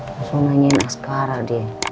langsung nanyain askara dia